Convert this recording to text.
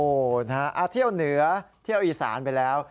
โอ้โหนะฮะเที่ยวเหนือเที่ยวอีสานไปแล้ว